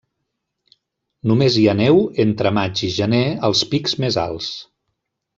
Només hi ha neu, entre maig i gener, als pics més alts.